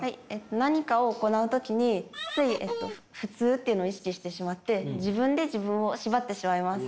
何かを行う時につい普通っていうのを意識してしまって自分で自分を縛ってしまいます。